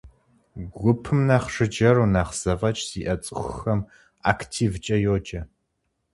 Гупым нэхъ жыджэру, нэхъ зэфӏэкӏ зиӏэ цӏыхухэм активкӏэ йоджэ.